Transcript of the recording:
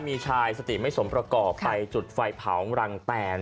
มีชายสติไม่สมประกอบไปจุดไฟเผารังแตน